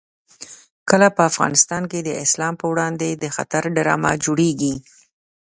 کله په افغانستان کې د اسلام په وړاندې د خطر ډرامه جوړېږي.